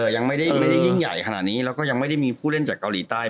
ยังไม่ได้ยิ่งใหญ่ขนาดนี้แล้วก็ยังไม่ได้มีผู้เล่นจากเกาหลีใต้